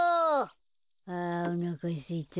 あおなかすいた。